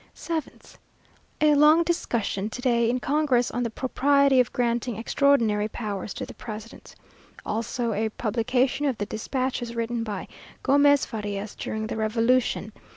7th. A long discussion to day in Congress on the propriety of granting extraordinary powers to the president; also a publication of the despatches written by Gomez Farias during the revolution.